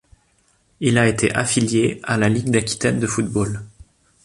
Il a été affilié à la Ligue d'Aquitaine de football.